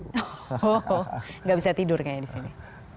tidak bisa tidur kayaknya di sini